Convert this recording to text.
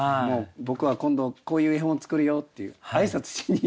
僕は今度こういう絵本を作るよっていう挨拶しに。